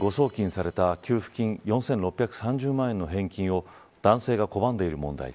山口県阿武町で誤送金された給付金４６３０万円の返金を男性が拒んでいる問題。